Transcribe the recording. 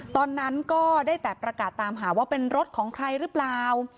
ตอนนั้นก็ได้แต่ประกาศตามหาว่าเป็นรถของใครหรือเปล่า